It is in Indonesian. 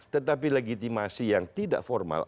tetapi legitimasi yang tidak formal